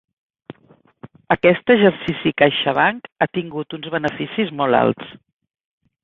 Aquest exercici CaixaBank ha tingut uns beneficis molt alts